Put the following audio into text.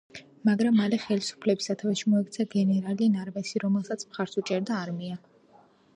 მაგრამ მალე ხელისუფლების სათავეში მოექცა გენერალი ნარვაესი, რომელსაც მხარს უჭერდა არმია.